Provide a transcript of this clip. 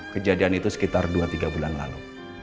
kejadian itu sekitar dua tiga bulan lalu